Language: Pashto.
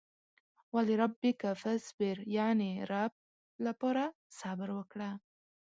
ولربک فاصبر يانې رب لپاره صبر وکړه.